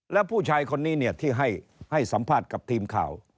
แล้วผู้ชายคนนี้เนี่ยที่ให้สัมภาษณ์กับทีมข่าว